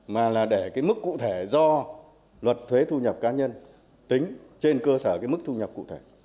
mà là để cái mức cụ thể do luật thuế thu nhập cá nhân tính trên cơ sở cái mức thu nhập cụ thể